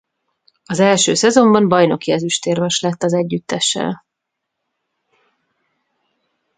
Az első szezonban bajnoki ezüstérmes lett az együttessel.